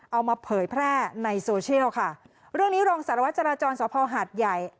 เอามาเผยแพร่ในโซเชียลค่ะเรื่องนี้รองสารวัตรจราจรสภหาดใหญ่